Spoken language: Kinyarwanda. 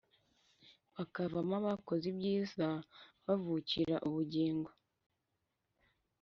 Bakavamo, abakoze ibyiza bazukira ubugingo,